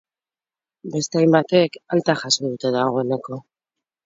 Beste hainbatek alta jaso dute dagoeneko.